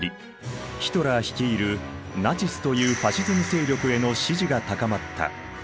ヒトラー率いるナチスというファシズム勢力への支持が高まった。